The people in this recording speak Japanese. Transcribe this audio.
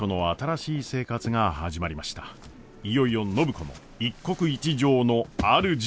いよいよ暢子も一国一城のあるじ！